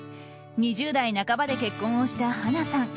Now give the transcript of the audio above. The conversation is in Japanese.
２０代半ばで結婚をした華さん。